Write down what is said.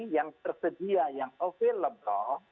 yang tersedia yang available